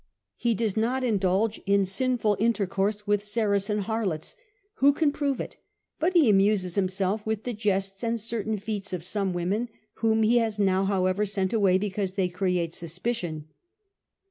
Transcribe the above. He does not indulge in sinful intercourse with Saracen harlots who can prove it ? but he amuses himself with the jests and certain feats of some women, whom he has now, how ever, sent away, because they created suspicion."